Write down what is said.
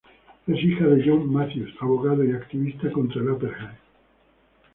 Es hija de Joe Matthews, abogado y activista contra el apartheid.